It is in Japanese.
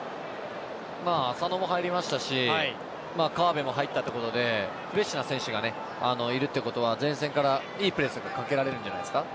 浅野も入りましたし川辺も入ったということでフレッシュな選手がいるということは前線からいいプレスがかけられるんじゃないですか。